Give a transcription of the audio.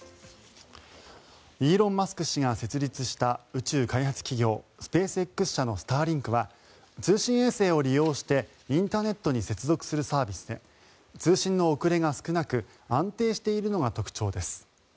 イーロン・マスク氏が設立した宇宙開発企業スペースＸ社のスターリンクは通信衛星を利用してインターネットに接続するサービスで通信の遅れが少なく安定しているのが特徴です。